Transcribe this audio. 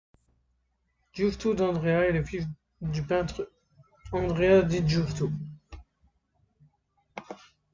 Giusto d'Andrea est le fils du peintre Andrea di Giusto.